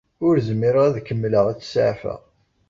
Ur zmireɣ ad kemmleɣ ad tt-saɛfeɣ.